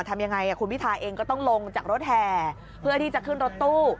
ทำยังไงคุณพิทาเองก็ต้องลงจากรถแห่เพื่อที่จะขึ้นรถตู้